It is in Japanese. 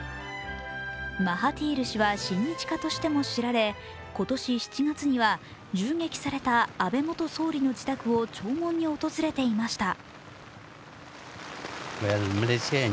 マハティール氏は親日家としても知られ、今年７月には銃撃された安倍元総理の自宅を弔問に訪れていました。